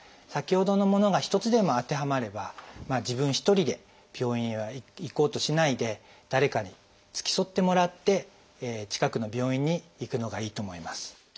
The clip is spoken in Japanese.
先ほどのものが１つでも当てはまれば自分一人で病院へは行こうとしないで誰かに付き添ってもらって近くの病院に行くのがいいと思います。